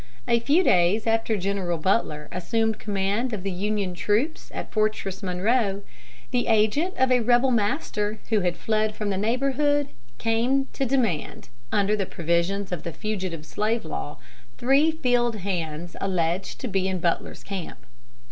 A few days after General Butler assumed command of the Union troops at Fortress Monroe, the agent of a rebel master who had fled from the neighborhood came to demand, under the provisions of the fugitive slave law, three field hands alleged to be in Butler's camp.